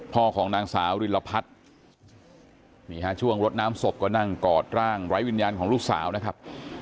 พ่อของหนังสาวอุริลพัธน์มาช่วงรดน้ำศพก็นั่งกอดร่างไร้วิญญาณของลูกสาวนะครับ